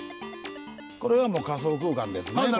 これはもう仮想空間ですね。